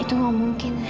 itu gak mungkin